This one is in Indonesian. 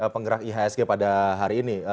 penggerak ihsg pada hari ini